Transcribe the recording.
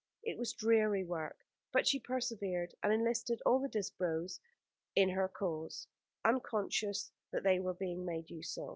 It was weary work, but she persevered, and enlisted all the Disbrowes in her cause, unconscious that they were being made use of.